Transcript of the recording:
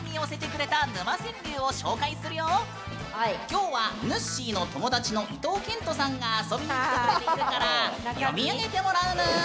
今日はぬっしーの友達の伊東健人さんが遊びに来てくれているから読み上げてもらうぬん。